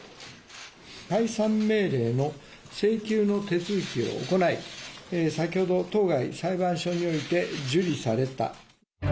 解散命令の請求の手続きを行い、先ほど、当該裁判所において受理された。